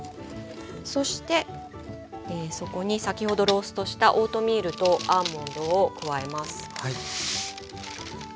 そしてそこに先ほどローストしたオートミールとアーモンドを加えます。